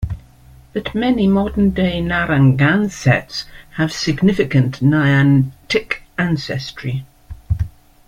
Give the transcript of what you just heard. But many modern-day Narragansetts have significant Niantic ancestry.